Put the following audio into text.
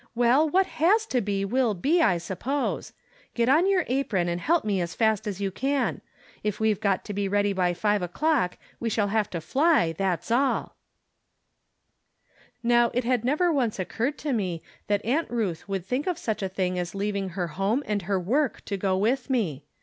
Well, what has to be wUl be, I suppose. Get on your apron and help me as fast as you can. If we've got to be ready by five o'clock, we shall have to fly, that's aU." Now, it had never once occurred to me that Aunt Ruth would think of such a thing as leav ing her home and her work to go with me.